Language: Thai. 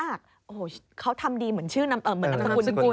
โอ้โฮเขาทำดีเหมือนชื่อนำสคุณ